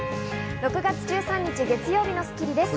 ６月１３日、月曜日の『スッキリ』です。